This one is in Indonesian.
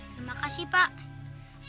terima kasih pak